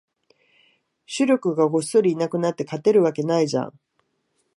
主力がごっそりいなくなって、勝てるわけないじゃん